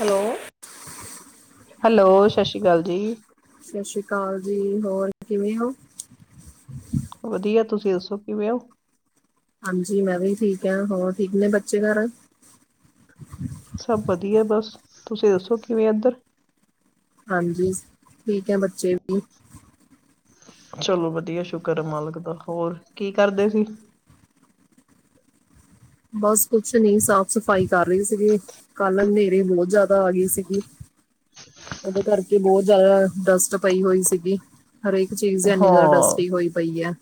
Hello hello ਸਤਿ ਸ੍ਰੀ ਅਕਾਲ ਜੀ ਕੀ ਹੋਰ ਕਿਵੇਂ ਹੋ ਵਧੀਆ ਤੁਸੀਂ ਦੱਸੋ ਕਿਵੇਂ ਹੋ ਹਾਂਜੀ ਮੈਂ ਵੀ ਠੀਕ ਆ ਹੋਰ ਠੀਕ ਨੇ ਬੱਚੇ ਘਰ ਸਭ ਵਧੀਆ ਬਸ ਤੁਸੀਂ ਦੱਸੋ ਕਿਵੇਂ ਇੱਧਰ ਹਾਂਜੀ ਠੀਕ ਹੈ ਬੱਚੇ ਵੀ ਚਲੋ ਵਧੀਆ ਸ਼ੁਕਰ ਹੈ ਮਾਲਕ ਦਾ ਹੋਰ ਕੀ ਕਰਦੇ ਸੀ ਬਸ ਕੁਛ ਨੀ ਸਾਫ਼ ਸਫ਼ਾਈ ਕਰ ਰਹੀ ਸੀਗੀ ਕੱਲ ਹਨੇ ਬਹੁਤ ਜਿਆਦਾ ਆ ਗਈ ਸੀਗੀ ਉਹਦੇ ਕਰਕੇ ਬਹੁਤ ਜਿਆਦਾ ਡਸਟ ਪਈ ਹੋਈ ਸੀਗੀ ਹਰੇਕ ਚੀਜ਼ ਇਨੀ ਜ਼ਿਆਦਾ ਹਾਂ ਡਸਰੀ ਹੋਈ ਪਈ ਹੈ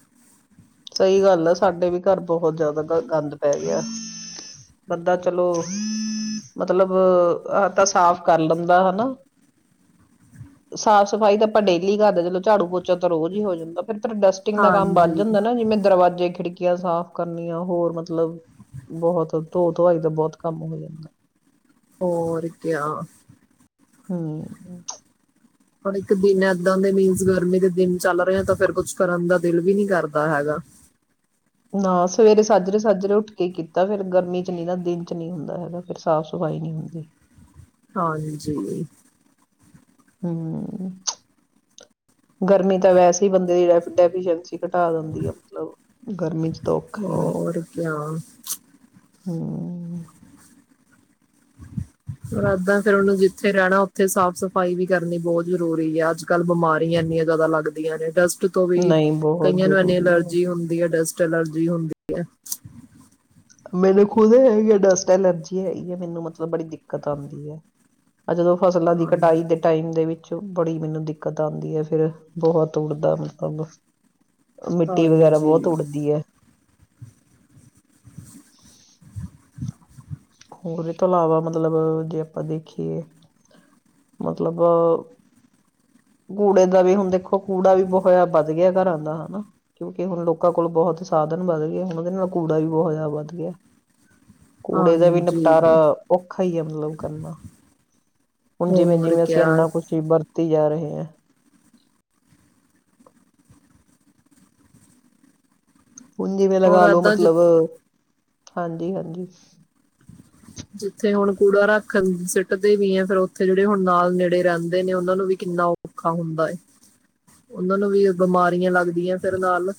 ਸਹੀ ਗੱਲ ਆ ਸਾਡੇ ਵੀ ਘਰ ਬਹੁਤ ਜ਼ਿਆਦਾ ਗੰਦ ਪੈ ਗਿਆ ਬੰਦਾ ਚਲੋ ਮਤਲਬ ਆ ਤਾਂ ਸਾਫ਼ ਕਰ ਲੈਂਦਾ ਹਨਾ ਸਾਫ਼ ਸਫ਼ਾਈ ਤਾਂ ਆਪਾਂ ਡੇਲੀ ਕਰਦੇ ਚਲੋ ਝਾੜੂ ਪੋਚਾ ਤਾਂ ਰੋਜ਼ ਹੀ ਹੋ ਜਾਂਦਾ ਫ ਡਸਟਿੰਗ ਦਾ ਕੰਮ ਵੱਧ ਹਾਂਜੀ ਜਾਂਦਾ ਹਾਂ ਜਿਵੇੈਂ ਦਰਵਾਜੇ ਖਿੜਕੀਆਂ ਸਾਫ਼ ਕਰਨੀਆਂ ਹੋਰ ਮਤਲਬ ਬਹੁਤ ਧੋ ਧੋਆਈ ਦਾ ਬਹੁਤ ਕੰਮ ਹੋ ਜਾਂਦਾ ਹੋਰਕਿਆ ਹਮ ਹੁਣ ਇੱਕ ਦਿਨ ਇਏਦਾਂ ਦੇ ਮੀਨਸ ਗਰਮੀ ਦੇ ਦਿਨ ਚੱਲ ਰਹੇ ਆ ਤਾਂ ਫਿਰ ਕੁਛ ਕਰਨ ਦਾ ਦਿਲ ਵੀ ਨਹੀਂੀ ਕਰਦਾ ਹੈਗਾ ਨਾ ਸਵੇਰੇ ਸਾਜਰੇ ਸਾਜਰੇ ਉੱਠ ਕੇ ਕੀਤਾ ਫੇਿਰ ਗਰਮੀ ਚ ਨਹੀਂ ਨਾ ਦਿਨ ਚ ਨਹੀਂੀ ਹੁੰਦਾ ਹੈਗਾ ਫਿਰ ਸਾਫ਼ ਸਫ਼ਾਈ ਨਹੀਂੀ ਹੁੰਦੀ ਹਾਂਜੀ ਹਮ ਗਰਮੀ ਤਾਂ ਵੈਸੇ ਹੀ ਬੰਦੇ ਦੀ ਜਿਹ ਡੈਫੀਸੀ ਘਟਾ ਦਿੰਦੀ ਆ ਮਤਲਬ ਗਰਮੀ ਚ ਤਾਂ ਔਖਾ ਹੀ ਆ ਹੋਕ ਹਮ ਇਏਦਾਂ ਫਿਰ ਉਹਨੂੰ ਜਿੱਥੇ ਰਹਿਣਾ ਉੱਥੇ ਸਾਫ਼ ਸਫ਼ਾਈ ਵੀ ਕਰਨੀ ਬਹੁਤ ਜਰੂਰੀ ਹੈ ਅੱਜ ਕੱਲ੍ਹ ਬਿਮਾਰੀਆਂ ਇੰਨੀਆਂ ਜ਼ਿਆਦਾ ਲੱਗਦੀਆਂ ਨੇ ਡਸ ਤੋਂ ਵੀ ਨਹੀਂ ਬਹੁਤ ਕਈਆਂ ਨੂੰ ਇੰਨੀ ਜ਼ਰੂਰੀ ਹੈ ਅਲਰਜੀ ਹੁੰਦੀ ਹੈ ਡਸਟ ਐਲਰਜੀ ਹੁੰਦੀ ਹੈ ਮੈਨੂੰ ਖੁਦ ਹੈ ਡਸਟ ਐਲਰਜੀ ਹੈਗੀ ਹੈ ਮੈਨੂੰ ਮਤਲਬ ਬੜੀ ਦਿੱਕਤ ਆਉਂਦੀ ਹੈ ਆ ਜਦੋਂ ਫਸਲਾਂ ਦੀ ਹਾਂ ਕਟਾਈ ਦੇ ਟਾਈਮ ਦੇ ਵਿੱਚ ਬੜੀ ਮੈਨੂੰ ਦਿੱਕਤ ਆਉਂਦੀ ਹੈ ਫਿਰ ਬਹੁਤ ਉੱਡਦਾ ਮਤਲਬ ਮਿੱਟੀ ਵਗੈਰਾ ਬਹੁਤ ਹਾਂਜੀ ਉੱਡਦੀ ਹੈ ਹੋਰ ਇਹ ਤੋਂ ਇਲਾਵਾ ਮਤਲਬ ਜੇ ਆਪਾਂ ਦੇਖੀਏ ਮਤਲਬ ਕੂੜੇ ਦਾ ਵੀ ਹੁਣ ਦੇਖੋ ਕੂੜਾ ਵੀ ਬਹੁਤ ਜ ਵਧ ਗਿਆ ਘਰਾਂ ਦਾ ਹਨਾ ਕਿਉਂਕਿ ਹੁਣ ਲੋਕਾਂ ਕੋਲ ਬਹੁਤ ਸਾਧਨ ਵੱਧ ਗਿਆਏ ਹੁਣ ਉਹਦੇ ਨਾਲ ਕੂੜਾ ਵੀ ਬਹੁਤ ਜਿਆਦਾ ਵੱਧ ਗਿਆ ਕੂੜੇ ਦਾ ਵੀ ਨਿਪਟਾਰਾ ਹਾਂਜੀ ਔਖਾ ਹੀ ਆ ਮਤਲਬ ਕਰਨਾ ਹੁਣ ਜਿਵੇਂ ਹੋਰ ਜਿਵੇਂ ਅਸੀਂ ਕਿਆ ਇੰਨਾ ਕੁਛ ਹੀ ਵਰਤੀ ਜਾ ਰਹੇ [inaudible] ਹੂੰਜੀ ਮੈਂ ਹੋਰ ਲਗਾ ਲੋ ਏਦਾਂ ਜਿ ਮਤਲਬ ਹਾਂਜੀ ਹਾਂਜੀ ਜਿੱਥੇ ਹੁਣ ਕੂੜਾ ਰੱਖਣ ਸਿੱਟਦੇ ਵੀ ਹੈ ਫਿਰ ਉੱਥੇ ਜਿਹੜੇ ਹੁਣ ਨਾਲ ਨੇੜੇ ਰਹਿੰਦੇ ਨੇ ਉਹਨਾਂ ਨੂੰ ਵੀ ਕਿੰਨਾ ਔਖਾ ਹੁੰਦਾ ਹੈ ਉਹਨਾਂ ਨੂੰ ਵੀ ਬਿਮਾਰੀਆਂ ਲੱਗਦੀਆਂ ਫਿਰ ਨਾਲ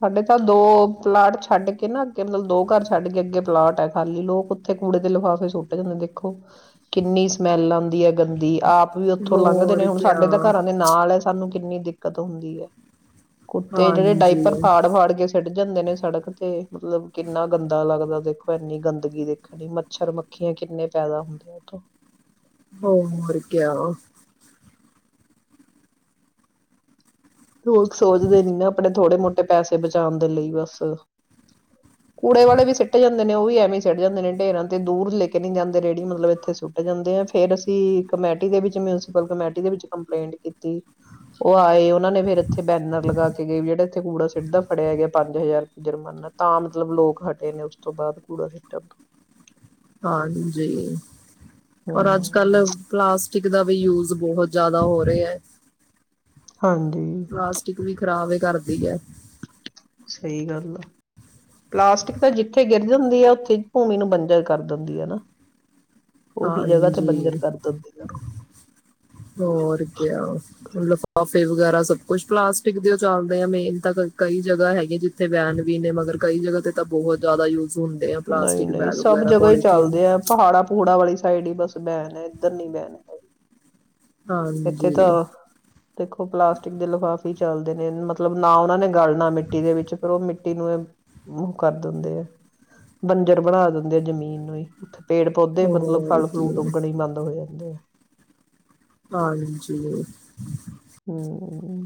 ਸਾਡੇ ਤਾਂ ਦੋ ਪਲਾਟ ਛੱਡ ਕੇ ਨਾ ਅੱਗੇ ਮਤਲਬ ਦੋ ਘਰ ਛੱਡ ਕੇ ਅੱਗੇ ਪਲਾਟ ਹੈ ਖਾਲੀ ਲੋਕ ਉੱਥੇ ਕੂੜੇ ਦੇ ਲਿਫਾਫੇ ਸੁੱਟ ਜਾਂਦੇ ਦੇਖੋ ਕਿੰਨੀ ਸਮੈਲ ਆਉਂਦੀ ਹੈ ਗੰਦੀ ਆਪ ਆਪ ਵੀ ਉੱਥੋਂ ਲੰਘਦੇ ਨੇ ਹੋਰ ਹੁਣ ਕਿਆ ਸਾਡੇ ਤਾਂ ਘਰਾਂ ਦੇ ਨਾਲ ਹੈ ਸਾਨੂੰ ਕਿੰਨੀ ਦਿੱਕਤ ਹੁੰਦੀ ਹੈ ਕੁੱਤੇ ਜਿਹੜੇ ਹਾਂਜੀ ਡਾਇਪਰ ਹਾੜ ਫਾੜ ਗਿਆਏੇ ਪੜ ਜਾਂਦੇ ਨੇ ਸੜਕ ਤੇ ਮਤਲਬ ਕਿੰਨਾ ਗੰਦਾ ਲੱਗਦਾ ਦੇਖੋ ਐੰਨੀ ਗੰਦਗੀ ਦੇਖਣੀ ਮੱਛਰ ਮੱਖੀਆਂ ਕਿੰਨੇ ਪੈਦਾ ਹੁੰਦੇ ਉਥੋਂ ਹੋ ਹੋਕੇਿਆ ਸੋਚਦੇ ਨੀ ਨਾ ਆਪਣੇ ਥੋੜੇ ਮੋਟੇ ਪੈਸੇ ਬਚਾਉਣ ਦੇ ਲਈ ਬਸ ਕੂੜੇ ਵਾਲੇ ਵੀ ਸਿੱਟ ਜਾਂਦੇ ਨੇ ਉਹ ਵੀ ਐਵੇਂ ਸਿੱਟ ਜਾਂਦੇ ਨੇ ਢੇਰਾਂ ਤੇ ਦੂਰ ਲੈ ਕੇ ਨੀ ਜਾਂਦੇ ਰੇਹੜੀ ਮਤਲਬ ਇੱਥੇ ਸੁੱਟ ਜਾਂਦੇ ਆ ਫੇਰ ਅਸੀਂ ਕਮੇਟੀ ਦੇ ਵਿੱਚ ਮਿਸੀਪਲ ਕਮੇਟੀ ਦੇ ਵਿੱਚ ਕੰਪਲੇਂਟ ਕੀਤੀ ਉਹ ਆਏ ਉਹਨਾਂ ਨੇ ਫਿਰ ਇਥੇ ਬੈਨਰ ਲਗਾ ਕੇ ਗਏ ਵੀ ਜਿਹੜਾ ਇੱਥੇ ਕੂੜਾ ਸਿੱਟਦਾ ਫੜਿਆ ਹੈ ਗਿਆ ਪੰਜ ਹਜ਼ਾਰ ਜੁਰਮਾਨਾ ਤਾਂ ਮਤਲਬ ਲੋਕ ਹਟੇ ਨੇ ਉਸ ਤੋਂ ਬਾਅਦ ਕੂੜਾ ਸਿੱਟਣ ਤੋਂ ਹਾਂਜੀ ਰ ਅੱਜ ਕੱਲ ਹਮ ਕਲਾਸ ਿਕ ਦਾ ਵੀ ਯੂਜ਼ ਬਹੁਤ ਜ਼ਿਆਦਾ ਹੋ ਰਿਹਾ ਹੈ ਹਾਂਜੀ ਪਲਾਸਟਿਕ ਵੀ ਖ਼ਰਾਬ ਹੈ ਕਰਦੀ ਹੈ ਸਹੀ ਗੱਲ ਆ ਪਲਾਸਟਿਕ ਤਾਂ ਜਿੱਥੇ ਗਿਰ ਜਾਂਦੀ ਆ ਉੱਥੇ ਭੂਮੀ ਨੂੰ ਬੰਜਾ ਕਰ ਦਿੰਦੀ ਹੈ ਨਾ ਉਹੀ ਜਗ੍ਹਾ ਤੇ ਬੰਜ ਹਾਂਜੀ ਕਰ ਦੇ ਕਰੋ ਹੋਰ ਕ ਲਿਫਾਫੇ ਵਗੈਰਾ ਸਭ ਕੁਛ ਪਲਾਸਟਿਕ ਦੇ ਉਹ ਚੱਲਦੇ ਆ ਮੇਨ ਤਾਂ ਕਈ ਜਗ੍ਹਾ ਹੈਗੀ ਜਿੱਥੇ ਵੈਨ ਵੀ ਨੇ ਮਗਰ ਕਈ ਜਗ੍ਹਾ ਤੇ ਤਾਂ ਬਹੁਤ ਜ਼ਿਆਦਾ ਯੂਜ ਹੁੰਦੇ ਆ ਨਹੀਂ ਪਲਾਸਟਿਕ ਨਹੀਂ ਬੈਗ ਸਭ ਵਗੈਰਾ ਜਗ੍ਹਾ ਹੀ ਪੋਲੀਥੀਨ ਚੱਲਦੇ ਆ ਪਹਾੜਾ ਪੂੜਾ ਵਾਲੀ ਸਾਈਡ ਹੀਈ ਬ ਬੈਣ ਹੈ ਇੱਧਰ ਨੀ ਬੈਣ ਹੈ ਇੱਥੇ ਤਾਂ ਹਾਂਜੀ ਦੇਖੋ ਪਲਾਸਟਿਕ ਦੇ ਲਿਫਾਫੇ ਕਫੀ ਚਲਦੇ ਨੇ ਮਤਲਬ ਨਾ ਉਹਨਾ ਨੇ ਗਲਨਾ ਮਿੱਟੀ ਦੇ ਵਿੱਚ ਫਿਰ ਉਹ ਮਿੱਟੀ ਨੂੰ ਉਹ ਕਰ ਦਿੰਦੇ ਆ ਬੰਜਰ ਬਣਾ ਦਿੰਦੇ ਆ ਜਮੀਨ ਨੂੰ ਹੀੇ ਪੇੜ ਪੌਦੇ ਮਤਲਬ ਹੋਰ ਫਲ ਫਰੂਟ ਕੀ ਉੱਗਣਣੇ ਹੀ ਬੰਦ ਹੋਏਆ ਦੇ ਹਾਂਾਂਜੀ ਹਮਮ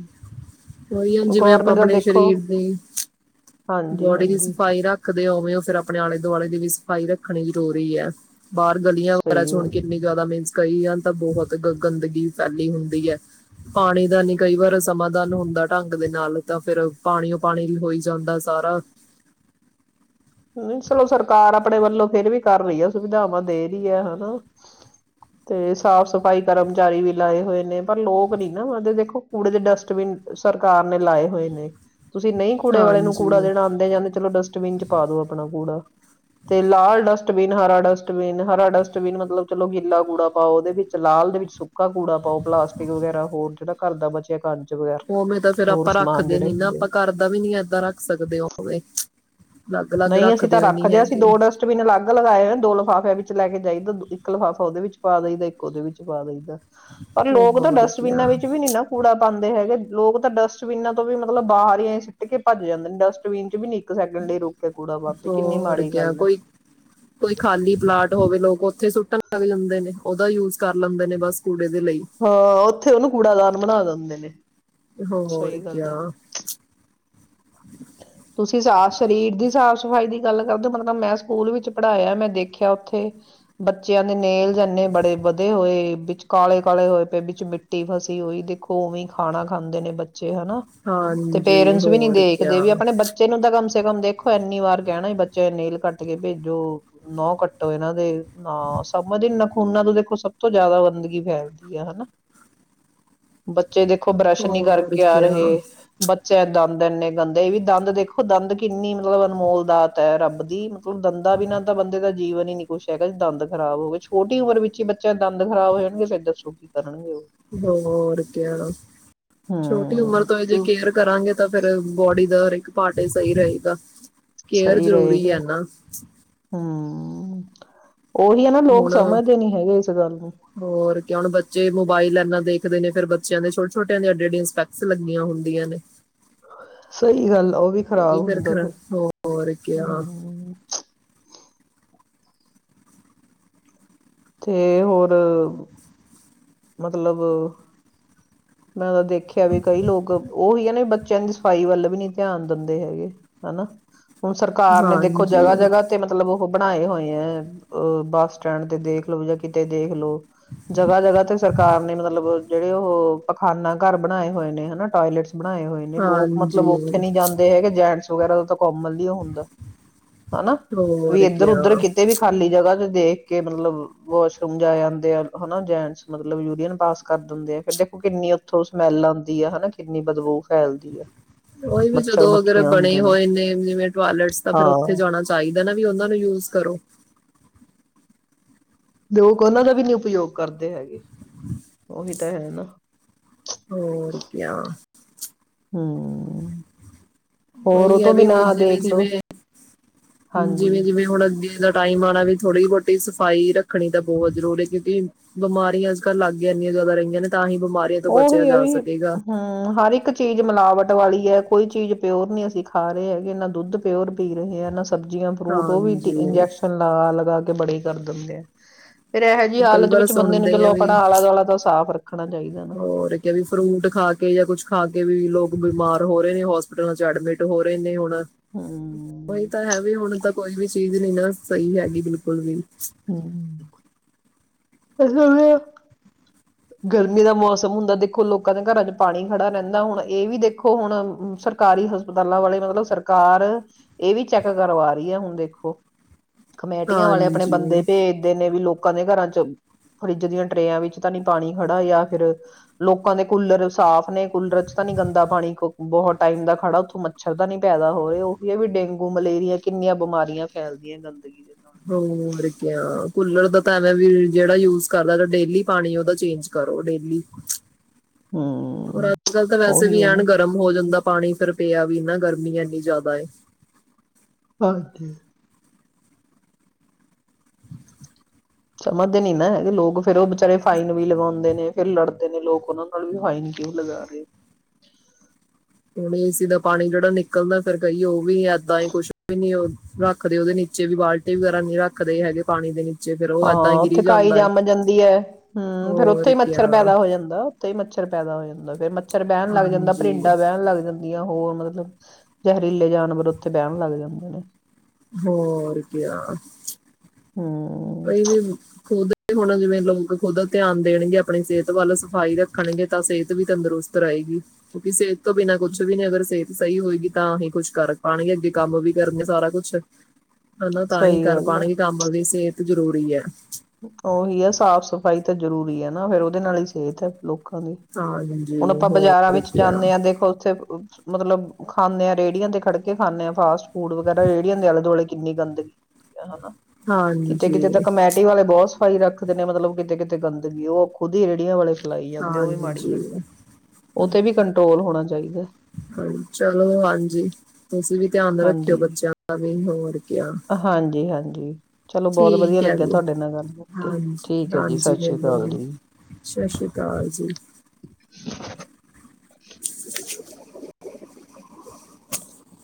ਉਹੀ ਹਨ ਜਿਵੇਂ ਆਪਾਂ ਆਪਣੇ ਸਰੀਰ ਦੀ ਹਾਂਜੀ ਬੋਡੀ ਦੀ ਹਾਂਜੀ ਸਫ਼ਾਈ ਰੱਖ ਉਵੇਂ ਉਹ ਫਿਰ ਆਪਣੇ ਆਲੇ ਦੁਆਲੇ ਦੀ ਵੀ ਸਫ਼ਾਈ ਰੱਖਣੀ ਜ਼ਰੂਰੀ ਹੈ ਬਾਹਰ ਗਲੀਆਂ ਵਗੈਰਾ ਚ ਸਹੀ ਹੋਣ ਕੇ ਇੰਨੀ ਜ਼ਿਆਦਾ ਮੇਨ ਕਈਆਂ ਤਾਂ ਬਹੁਤ ਗ ਗੰਦਗੀ ਫੈਲੀ ਹੁੰਦੀ ਹੈ ਪਾਣੀ ਦਾ ਨੀ ਕਈ ਵਾਰ ਸਮਾਧਾਨ ਹੁੰਦਾ ਦਾ ਢੰਗ ਦੇ ਨਾਲ ਤਾਂ ਫਿਰ ਪਾਣੀਓ ਪਾਣੀ ਹੋਈ ਜਾਂਦਾ ਸਾਰਾ ਨਹੀਂ ਚਲੋ ਸਰਕਾਰ ਆਪਣੇ ਵੱਲੋਂ ਫੇਿਰ ਵੀ ਕਰ ਰਹੀ ਹੈ ਸੁਵਿਧਾਵਾਂ ਦੇ ਰਹੀ ਹੈ ਹਨਾ ਤੇ ਸਾਫ਼ ਸਫ਼ਾਈ ਕਰਮਚਾਰੀ ਵੀ ਲਾਏ ਹੋਏ ਨੇ ਪਰ ਲੋਕ ਨੀ ਨਾਦੇ ਦੇਖੋ ਕੂੜੇ ਦੇ ਡਸਟਬਿਨ ਸਰਕਾਰ ਨੇ ਲਾਏ ਹੋਏ ਨੇ ਤੁਸੀਂ ਨਹੀਂ ਕੂੜੇ ਵਾਲੇ ਨੂੰ ਕੂੜਾ ਹਾਂਜੀ ਦੇਣਾ ਆਉਂਦੇ ਜਾਂਦੇ ਚਲੋ ਡਸਟਬਿਨ ਚ ਆਪਣਾ ਕੂੜਾ ਤੇ ਲਾਲ ਡਸਟਬਿਨ ਹਰਾ ਡਸਟਬਿਨ ਹਰਾ ਡਸਟਬਿਨ ਮਤਲਬ ਚਲੋ ਗਿੱਲਾ ਕੂੜਾ ਪਾਓ ਉਹਦੇ ਵਿੱਚ ਲਾਲ ਦੇ ਵਿੱਚ ਸੁੱਕਾ ਕੂੜਾ ਪਾਓ ਪਲਾਸਟਿਕ ਵਗੈਰਾ ਹੋਰ ਜਿਹੜਾ ਘਰ ਦਾ ਬਚਿਆ ਕਰ ਉਵੇਂ ਤਾਂ ਫੇਰ ਆਪਾਂ ਰੱਖਦੇ ਨੀ ਨਾ ਆਪਾਂ ਘਰ ਦਾ ਵੀ ਨਹੀ ਏਦਾਂ ਰੱਖ ਸਕਦੇ ਉਵੇਂ ਅਲੱਗ ਅਲੱਗ ਨਹੀਂ ਅਸੀਂ ਤਾਂ ਵੀ ਨਹੀਂ ਰੱਖਦੇ ਹਾਂ ਅਸੀਂ ਹੈਗੇ ਦੋ ਡਸਟਬਿਨ ਅਲੱਗ ਲਗਾਏ ਹੋ ਦੋ ਲਿਫਾਫਿਆਂ ਵਿੱਚ ਲੈ ਕੇ ਜਾਈ ਦ ਇੱਕ ਲਿਫਾਫਾ ਉਹਦੇ ਵਿੱਚ ਪਾ ਦਈਦਾ ਇੱਕ ਉਹਦੇ ਵਿੱਚ ਪਾ ਦਈਦਾ ਪਰ ਲੋਕ ਤਾਂ ਹੋਰ ਕਿਆ ਡਸਟਬਿਨਾਂ ਵਿੱਚ ਵੀ ਨੀ ਨਾ ਕੂੜਾ ਪਾਉਂਦੇ ਹੈਗੇ ਲੋਕ ਤਾਂ ਡਸਟਬਿਨਾਂ ਤੋਂ ਵੀ ਮਤਲਬ ਬਾਹਰ ਹੀ ਆਏਂ ਸਿੱਟ ਕੇ ਭੱਜ ਜਾਂਦੇ ਨੇ ਡਸਟਬਿਨ ਚ ਵੀ ਨ ਸੈਕਡ ਲਈ ਰੁ ਹੋਰ ਕਿਆ ਕੋਈ ਕੋਈ ਖਾਲੀ ਪਲਾਟ ਹੋਵੇ ਲੋਕ ਉੱਥੇ ਸੁੱਟਣ ਲੱਗ ਜਾਂਦੇ ਨੇ ਉਹਦਾ ਯੂਜ ਕਰ ਲੈਂਦੇ ਨੇ ਬਸ ਕੂੜੇ ਦੇ ਲਈ ਹਾਂ ਉੱਥੇ ਉਹਨੂੰ ਕੂੜਾਦਾਨ ਬਣਾਦਾ ਹਦੇ ਨੇ ਹੋ ਹੋਰ ਸਹੀ ਗੱਲ ਕਿਆ ਹੈ ਤੁਸੀਂ ਸਾ ਸਰੀਰ ਦੀ ਸਾਫ਼ ਸਫ਼ਾਈ ਦੀ ਗੱਲ ਕਰਦੇ ਹੋ ਮਤਲਬ ਤਾਂ ਮੈਂ ਸਕੂਲ ਵਿੱਚ ਪੜ੍ਹਾਇਆ ਮੈਂ ਦੇਖਿਆ ਉੱਥੇ ਬੱਚਿਆਂ ਦੇ ਨੇਲ ਜਨੇ ਬੜੇ ਵਧੇ ਹੋਏ ਵਿੱਚ ਕਾਲੇ ਕਾਲੇ ਹੋਏ ਪਏ ਵਿੱਚ ਮਿੱਟੀ ਫਸੀ ਹੋਈ ਦੇਖੋ ਉਵੇਂ ਖਾਣਾ ਖਾਂਦੇ ਨੇ ਬਚੇ ਹਨਾ ਤੇ ਹਾਂਜੀ ਪੇਰੈਂਟਸ ਵੀ ਨੀ ਹੋਰ ਕਿਆ ਦੇਖਦੇ ਵੀ ਆਪਣੇ ਬੱਚੇ ਨੂੰ ਤਾਂ ਕੰਮ ਮੇ ਕਮ ਦੇਖੋ ਇੰਨੀ ਵਾਰ ਕਹਿਣਾ ਬੱਚੇ ਨੇਲ ਕੱਟ ਕੇ ਭੇਜੋ ਨਹ ਕੱਟੋ ਇਹਨਾਂ ਦੇ ਨਾ ਸ ਨਖੂਨਾ ਤੋਂ ਦੇਖੋ ਸਭ ਤੋਂ ਜ਼ਿਆਦਾ ਗੰਦਗੀ ਫੈਲਦੀ ਆ ਹਨਾ ਬੱਚੇ ਦੇਖੋ ਬਰੱਸ਼ ਨੀ ਹੋਰ ਕਰਕੇ ਆ ਕਿਆ ਰਹੇ ਬੱਚਾ ਏਦਾਂ ੰ ਇਨੇ ਗੰਦੇ ਵੀ ਦੰਦ ਦੇਖੋ ਦੰਦ ਕਿੰਨੀ ਮਤਲਬ ਅਨਮੋਲ ਦਾਤ ਹੈ ਰੱਬ ਦੀ ਦੰਦਾ ਬਿ ਨਾ ਤਾਂ ਬੰਦੇ ਦਾ ਜੀਵਨ ਹੀ ਨੀ ਕੁਛ ਹੈਗਾ ਜ ਦੰਦ ਖਰਾਬ ਹੋ ਗਏ ਛੋਟੀ ਉਮਰ ਵਿੱਚ ਹੀ ਬੱਚਿਆਂ ਦੰਦ ਖਰਾਬ ਹੋ ਜਾਣਗੇ ਫੇਰ ਦੱਸੋ ਕੀ ਕਰਨਗੇ ਉਹ ਹੋਰ ਕ ਛੋਟੀ ਹਮ ਉਮਰ ਤੋਂ ਇਹ ਜੇ ਤੇ ਕੇਅਰ ਕਰਾਂਗੇ ਫੇਿਰ ਬ ੜੀ ਦਾ ਹਰ ਇੱਕ ਪਹਾਟੇ ਸਹੀ ਰਹੇਗਾ ਕੇਅਰ ਸਹੀ ਜ਼ਰੂਰੀ ਰਹੇਗਾ ਹੈ ਨਾ ਹਮ ਉਹੀ ਹੈ ਨਾ ਲੋਕ ਹੁਣ ਸਮਝਦੇ ਨੀ ਹੈਗੇ ਇਸ ਗੱਲ ਨੂੰ ਹੋਰ ਕਿ ਹੁਣ ਬੱਚੇ ਮੋਬਾਇਲ ਇਨਾ ਦੇ ਖ ਦੇ ਨੇ ਫਿਰ ਬੱਚਿਆਂ ਦੇ ਛੋਟੇ ਛੋਟਿਆਂ ਦੇ ਐਡੀ ਐਡੀਆਂ ਸਪੈਕਸ ਲੱਗੀਆਂ ਹੁੰਦੀਆਂ ਨੇ। ਸਹੀ ਗੱਲ ਉਹ ਵੀ ਖ਼ਰਾਬ ਹੁੰਦਾ ਏ ਫਿਰ ਹਮ ਚ ਤੇ ਹੋਰ ਮਤਲਬ ਮੈਂ ਦੇਖਿਆ ਵੀ ਕਈ ਲੋਕ ਉਹੀ ਹੈ ਨਾ ਬੱਚਿਆਂ ਦੀ ਸਫ਼ਾਈ ਵੱਲ ਵੀ ਨੀ ਧਿਆਨ ਦਿੰਦੇ ਹੈਗੇ ਹੇਨਾ। ਹੁਣ ਸਰਕਾਰ ਨੇ ਦੇਖੋ ਜਗ੍ਹਾ ਹਾਂਜੀ ਜਗ੍ਹਾ ਤੇ ਮਤਲਬ ਉਹ ਬਣਾਏ ਹੋਏ ਐਂ ਅ ਬੱਸ ਸਟੈਂਡ ਤੇ ਦੇਖ ਲਓ ਯਾ ਕਿਤੇ ਦੇਖ ਲਓ ਜਗ੍ਹਾ ਜਗ੍ਹਾ ਤੇ। ਸਰਕਾਰ ਨੇ ਮਤਲਬ ਜਿਹੜੇ ਉਹ ਪਖਾਨਾ ਘਰ ਬਣਾਏ ਹੋਏ ਨੇ ਹੇਨਾ ਟੋਇਲੇਟਸ। ਬਣਾਏ ਹੋਏ ਨੇ ਲੋਕ ਮਤਲਬ ਉੱਥੇ ਹਾਂਜੀ ਨੀ ਜਾਂਦੇ ਹੈਗੇ ਜੈਂਟਸ। [unintelligible] ਕੋਮਨਲੀ ਹੁੰਦਾ ਹੇਨਾ ਵੀ ਹੋਰ ਇੱਧਰ ਕਿਆ ਉਧਰ ਕਿਤੇ ਵੀ ਖਾਲੀ ਜਗ੍ਹਾ ਤੇ ਦੇਖ ਕੇ ਮਤਲਬ ਵਾਸ਼ਰੂਮ ਜਾ ਆਂਦੇ ਐਂ ਹੇਨਾ ਜੈਂਟਸ ਮਤਲਬ ਯੂਰੀਅਨ ਪਾਸ ਕਰ ਦਿੰਦੇ ਏਂ ਕਿ ਦੇਖੋ ਕਿੰਨੀ ਉੱਥੋਂ ਸਮੈਲ ਆਉਂਦੀ ਆ ਹੇਨਾ ਕਿੰਨੀ ਬਦਬੂ ਫੈਲਦੀਆ। ਓਹ ਵੀ ਜਦੋ ਅਗਰ ਬਣੇ ਹੋਏ ਨੇ ਜਿਵੇਂ ਟਵਾਇਲੇਟਸ ਤਾ ਫਿਰ ਉੱਥੇ ਹਾਂ ਜਾਣਾ ਚਾਹੀ ਦਾ ਨਾ ਵੀ ਉਹਨਾਂ ਨੂੰ ਯੂਜ਼ ਕਰੋ ਲੋਕ ਉਹਨਾਂ ਦਾ ਵੀ ਨੀ ਉਪਯੋਗ ਕਰਦੇ ਹੈਗੇ ਉਹੀ ਤਾ ਹੈ ਨਾ। ਹੋਰਕਿਆ ਹਮ ਉਹੀ ਹੋਰ ਉਹ ਹੈ ਤੋਂ ਵੀ ਹੁਣ ਬਿਨਾਂ ਦੇਖ ਲਓ ਹਾਂਜੀ ਜਿਵੇਂ-ਜਿਵੇਂ-ਜਿਵੇਂ-ਜਿਵੇਂ ਹੁਣ ਅੱਗੇ ਦਾ ਟਾਈਮ ਆਣਾ ਵੀ ਥੋੜ੍ਹੀ ਬਹੁਤੀ ਸਫ਼ਾਈ ਰੱਖਣੀ ਤਾ ਬਹੁਤ ਜਰੂਰੀ ਕਿਉਂਕਿ ਬਿਮਾਰੀਆਂ ਅੱਜ ਕੱਲ੍ਹ ਲੱਗ ਹੀ ਇੰਹਨੀਆਂ ਜ਼ਿਆਦਾ ਰਹੀਆਂ ਨੇ ਤਾਂ ਹੀ ਬਿਮਾਰੀਆਂ ਤੋਂ ਬਚਿਆ ਜਾ ਸਕੇਗਾ। ਮ ਹਰ ਇੱਕ ਚੀਜ ਮਿਲਾਵਟ ਵਾਲੀ ਹੈ ਕੋਈ ਚੀਜ ਪਿਓਰ ਨੀ ਅਸੀ ਖਾ ਰਹੇ ਹੈਗੇ ਨਾ ਦੁੱਧ ਪਿਓਰ ਪੀ ਰਹਿਆਂ ਨਾ ਸਬਜ਼ੀਆਂ ਫਰੂਟ ਉਹ ਵੀ ਤੇ ਹਾਂਜੀ ਇੰਜੈਕਸ਼ਨ ਲਗਾ-ਲਗਾ ਬੜੇ ਕਰ ਦਿੰਦੇ ਐਂ। ਫੇਰ ਇਹ ਜਿਹੀ ਕਈ ਹਾਲਤ ਵਾਰ ਵਿੱਚ ਬੰਦੇ ਨੂੰ ਸੁਣਦੇ ਚਲੋ ਆ ਵੀ ਆਪਣਾ ਆਲਾ ਦੁਆਲਾ ਦਾ ਸਾਫ਼ ਰੱਖਣਾ ਚਾਹੀਦਾ ਨਾ। ਹੋਰ ਕਿ ਵੀ ਫਰੂਟ ਖਾ ਕੇ ਯਾ ਕੁੱਛ ਖਾ ਕੇ ਵੀ ਲੋਕ ਬਿਮਾਰ ਹੋ ਰਹੇ ਹੋਸਪਿਟਲਾਂ ਚ ਐਡਮਿਟ ਹੋ ਰਹੇ ਨੇ ਹੁਣ। ਉਹੀ ਹਮ ਤਾ ਹੈ। ਵੀ ਹੁਣ ਤਾ ਕੋਈ ਵੀ ਚੀਜ ਨੀ ਨਾ ਸਹੀ ਹੈਗੀ ਬਿਲਕੁਲ ਵੀ। ਹਮ [unintelligible] ਗਰਮੀ ਦਾ ਮੌਸਮ ਹੁੰਦਾ ਦੇਖੋ ਲੋਕਾਂ ਦੇ ਘਰਾਂ ਚ ਪਾਣੀ ਖੜਾ ਰਹਿੰਦਾ ਹੁਣ ਇਹ ਵੀ ਦੇਖੋ ਹੁਣ ਸਰਕਾਰੀ ਹਸਪਤਾਲਾਂ ਵਾਲੇ ਮਤਲਬ ਸਰਕਾਰ ਇਹ ਵੀ ਚੈੱਕ ਕਰਵਾ ਰਹੀ ਹੈ ਹੁਣ ਦੇਖੋ। ਕਮੇਟੀਆਂ ਵਾਲੇ ਆਪਣੇ ਹਾਂਜੀ ਬੰਦੇ ਭੇਜਦੇ ਨੇ ਵੀ ਲੋਕਾਂ ਦੇ ਘਰਾਂ ਚ ਚ ਫਰਿੱਜ ਦੀਆਂ ਟਰੇਆਂ ਵਿੱਚ ਤਾਂ ਨੀ ਪਾਣੀ ਖੜਾ ਯਾ ਫਿਰ ਲੋਕਾਂ ਦੇ ਕੂਲਰ ਸਾਫ ਨੇਂ ਕੂਲਰ ਚ ਤਾ ਨੀ ਗੰਦਾ ਪਾਣੀ ਕੁ ਬਹੁਤ ਟਾਈਮ ਦਾ ਖੜਾ ਉੱਥੋਂ ਮੱਛਰ ਤਾਂ ਨੀ ਪੈਦਾ ਹੋ ਰਹੇ ਉਹੀ ਹੈ ਵੀ ਡੇਂਗੂ ਮਲੇਰੀਆ ਕਿੰਨੀਆਂ ਬਿਮਾਰੀਆਂ ਫੈਲਦੀਆਂ ਗੰਦਗੀ ਵਿੱਚ। ਹੋਰ ਕਿਆ ਕੂਲਰ ਦਾ ਤਾਂ ਇਹਵੇਂ ਵੀ ਜਿਹੜਾ ਯੂਜ਼ ਕਰਦਾ ਤਾ ਡੇਲੀ ਪਾਣੀ ਉਹਦਾ ਚੇਂਜ ਕਰੋ ਡੇਲੀ। ਹੋਰ ਹਮ ਅੱਜ ਕੱਲ ਤਾ ਵੈਸੇ ਉਹੀ ਵੀ ਹੈ ਐਨ ਨਾ ਗਰਮ ਹੋ ਜਾਂਦਾ। ਪਾਣੀ ਫਿਰ ਪਿਆਿਆ ਵੀ ਨਾ ਗਰਮੀ ਇਨੀ ਜ਼ਿਆਦਾ [inaudible] ਸਮਝਦੇ ਨੀ ਨਾ ਹੈਗੇ ਲੋਕ ਫੇਰ ਉਹ ਬਚਾਰੇ ਫਾਈਨ ਵੀ ਲਗਾਉਂਦੇ ਨੇ ਫਿਰ ਲੜਦੇ ਨੇ ਲੋਕ ਉਹਨਾਂ ਨਾਲ ਵੀ ਹਾਈਨ ਕਿਉਂ ਲਗਾ ਰਹੇ ਏ ਸੀ ਦਾ ਪਾਣੀ ਜਿਹੜਾ ਨਿਕਲਦਾ ਫਿਰ ਕਹੀਏ ਉਹ ਵੀ ਇਏਦਾਂ ਹੀ ਕੁੱ ਵੀ ਨੀ ਰੱਖਦੇ ਉਹਦੇ ਨੀਚੇ ਵੀ ਬਾਲਟੀ ਵਗੈਰਾ ਨਹੀਂ ਰੱਖਦੇ ਹੈਗੇ ਪਾਣੀ ਦੇ ਨੀ ਹਾਂ ਉੱਥੇ ਕਾਈ ਜੰਮ ਜਾਂਦੀ ਹੈ ਹਮ ਫੇਰ ਉੱਥੇ ਹੋਰ ਹੀ ਮੱਛਰ ਕਿਆ ਪੈਦਾ ਹੋ ਜਾਂਦਾ ਉੱਥੇ ਹੀ ਮੱਛਰ ਪੈਦਾ ਹੋ ਜਾਂਦਾ ਫ ਮਛਰ ਬਹਿਣ ਲੱਗ ਜਾਂਦਾ ਹਾਂਜੀ ਪਰਿੰਡਾਂ ਬਹਿਣ ਲੱਗ ਜਾਂਦੀਆਂ ਹੋਰ ਮਤਲਬ ਜ਼ਹਿਰੀਲੇ ਜਾਨਵਰ ਉੱਥੇ ਬਹਿਣ ਲੱਗ ਜਾਂਦੇ ਨੇ ਹੋਰ ਕ ਹਮ ਕਈ ਵੀ ਖੁਦ ਹੁਣ ਜਿਵੇਂ ਲੋਕ ਖੁੱਦ ਧਿਆਨ ਦੇਣਗੇ ਆਪਣੀ ਸਿਹਤ ਵੱਲ ਸਫ਼ਾਈ ਰੱਖਣਗੇ ਤਾਂ ਸਿਹਤ ਵੀ ਤੰਦਰੁਸਤ ਰਹੇਗੀ ਕਿਉਂਕਿ ਸਿਹਤ ਤੋਂ ਬਿਨਾਂ ਕੁਛ ਵੀ ਨੇ ਅਗਰ ਸੇਤ ਸਹੀ ਹੋਏਗੀ ਤਾਂ ਅਸੀਂ ਕੁੱਛ ਕਰ ਪਾਉਣਗੇ ਅੱਗੇ ਕੰਮ ਵੀ ਕਰਨਗੇ ਸਾਰਾ ਕੁੱਛ ਹਨਾ ਤਾਂ ਹੀ ਸਹੀ ਕਰ ਗੱਲ ਹੈ ਪਾਉਣਗੇ ਕੰਮ ਦੀ ਸਿਹਤ ਜ਼ਰੂਰੀ ਹੈ ਤੇ ਜ਼ਰੂਰੀ ਹੈ ਨਾ ਫ਼ਿਰ ਉਹਦੇ ਨਾਲ ਹੀ ਸਿਹਤ ਹੈ ਲੋਕ ਲੋਕਾਂ ਦੀ ਹਾਂਜੀ ਹੁਣ ਆਪਾਂ ਬਾਜ਼ਾਰਾਂ ਹੋਰ ਵਿੱਚ ਕੀ ਹਾਂਜੀ ਜਾਂਦੇ ਹਾਂ ਦੇਖੋ ਉੱਥੇ ਮਤਲਬ ਖਾਂਦੇ ਆਾਂ ਰੇਹੜੀਆਂ ਤੇ ਖੜ੍ਹ ਕੇ ਖਾਂਦੇ ਆਾਂ ਫਾਸਟ ਫੂਡ ਵਗੈਰਾ ਰੇਹੜੀਆਂ ਦੇ ਆਲੇ ਦੁਆਲੇ ਕਿੰਨੀ ਗੰਦਗੀ ਹਨਾ ਕਿਤੇ ਕਿਤੇ ਤਾਂ ਹਾਂਜੀ ਕਮੈਟ ਸੋ ਸਫਾਈ ਰੱਖਦੇ ਨੇ ਮਤਲਬ ਕਿਤੇ ਕਿਤੇ ਗੰਦਗੀ ਉਹ ਖੁਦ ਹੀ ਰੇਹੜੀਆਂ ਵਾਲੇ ਫੈਲਾਈ ਜਾਂਦੇ ਉਹ ਵੀ ਹਾਂਜੀ ਮਾੜੀ ਜੀ ਗੱਲ ਹੈ। ਉਹ ਹ ਤੇ ਵੀ ਕੰਟਰੋਲ ਹੋਣਾ ਚਾਹੀਦਾ ਹਾਂ ਚਲੋ ਹਾਂਜੀ ਤੁਸੀਂ ਵੀ ਧਿਆਨ ਰੱਖਿਓ ਹਾਂਜੀ, ਬੱਚਿਆਂ ਦਾ ਵੀ ਹੋਰ ਕ ਹਾਂਜੀ, ਹਾਂਜੀ ਚਲੋ ਬਹੁਤ ਵਧੀਆ ਠੀਕ ਹੈ ਲੱਗਿਆ ਵੀ ਤੁਹਾਡੇ ਨਾਲ ਗੱਲ ਕਰਕੇ ਹਾਂ ਠੀਕ ਹੈ ਜੀ ਹਾਂਜੀ ਸਤਿ ਸ੍ਰੀ ਮੈਨੂੰ ਅਕਾਲ ਜੀ ਸਤਿ ਸ੍ਰੀ ਅਕਾਲ ਜੀ [unintelligible]